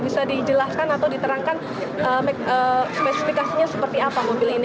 bisa dijelaskan atau diterangkan spesifikasinya seperti apa mobil ini